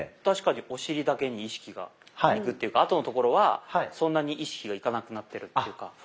確かにお尻だけに意識がいくっていうかあとのところはそんなに意識がいかなくなってるっていうか。